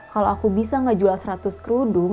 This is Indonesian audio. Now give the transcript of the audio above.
kalau aku bisa ngejual seratus kerudung